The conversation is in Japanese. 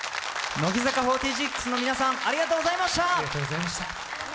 乃木坂４６の皆さん、ありがとうございました。